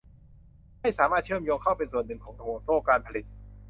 ให้สามารถเชื่อมโยงเข้าเป็นส่วนหนึ่งของห่วงโซ่การผลิต